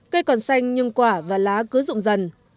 cây còn xanh nhưng quả và lá cứ rụng dần